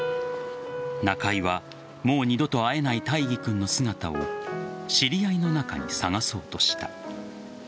中井はもう二度と会えない大義君の姿を知り合いの中に探そうとした。